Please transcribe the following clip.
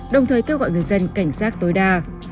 đồng thời kêu gọi người dân cảnh giác tối đa